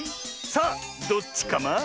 さあどっちカマ？